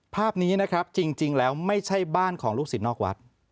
ภาพนี้นะครับจริงแล้วไม่ใช่บ้านของลูกศิษย์นอกวัด